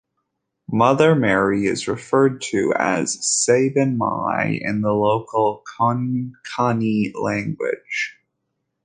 Mother Mary is referred to as Saibinn Mai in the local Konkani language.